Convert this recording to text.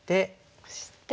オシて。